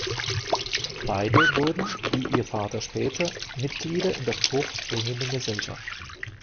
Beide wurden wie ihr Vater später Mitglieder in der Fruchtbringenden Gesellschaft.